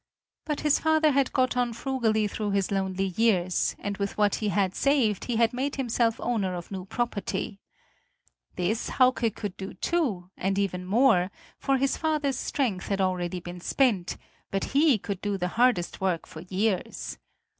But his father had got on frugally through his lonely years; and with what he had saved he had made himself owner of new property. This Hauke could do too, and even more; for his father's strength had already been spent, but he could do the hardest work for years.